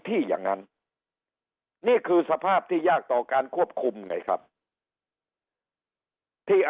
ที่อย่างนั้นนี่คือสภาพที่ยากต่อการควบคุมไงครับที่